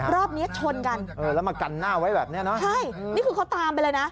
รอบเนี้ยชนกันเออแล้วมากันหน้าไว้แบบเนี้ยเนอะใช่นี่คือเขาตามไปเลยนะ